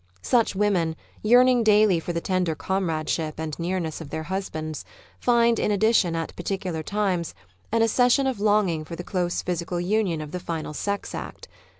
Such women, yearning daily for the tender comradeship and nearness of their husbands, find, in addition, at particular times, an accession of longing for the close physical union of the final sex act.